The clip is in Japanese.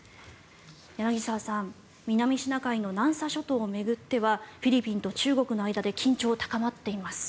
柳澤さん、南シナ海の南沙諸島を巡ってはフィリピンと中国の間で緊張が高まっています。